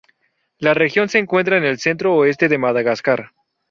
La región se encuentra en el centro-oeste de Madagascar.